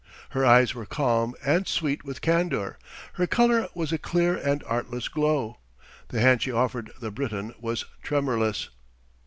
Her eyes were calm and sweet with candour; her colour was a clear and artless glow; the hand she offered the Briton was tremorless.